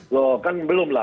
loh kan belum lah